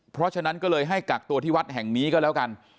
เพราะฉะนั้นก็เลยให้กักตัวที่วัดแห่งนี้ก็แล้วกัน